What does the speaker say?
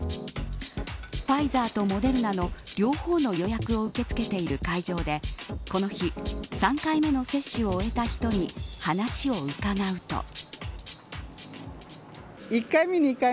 ファイザーとモデルナの両方の予約を受け付けている会場で、この日３回目の接種を終えた人に話を伺うと。